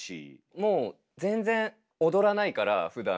もう全然踊らないからふだん。